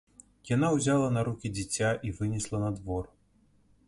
Яна ўзяла на рукі дзіця і вынесла на двор.